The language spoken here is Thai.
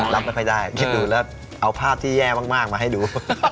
รับไว้แพ้ได้แล้วเอาภาพที่แย่มากมาให้ดู